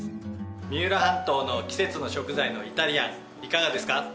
三浦半島の季節の食材のイタリアンいかがですか？